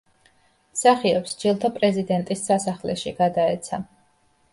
მსახიობს ჯილდო პრეზიდენტის სასახლეში გადაეცა.